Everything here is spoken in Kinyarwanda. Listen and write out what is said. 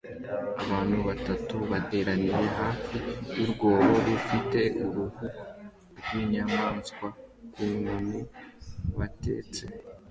Abantu batatu bateraniye hafi yurwobo rufite uruhu rwinyamanswa ku nkoni batetse